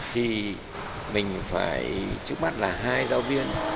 thì mình phải trước mắt là hai giáo viên